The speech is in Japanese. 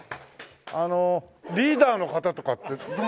あのリーダーの方とかって。